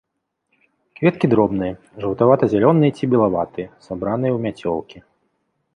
Кветкі дробныя, жаўтавата-зялёныя ці белаватыя, сабраныя ў мяцёлкі.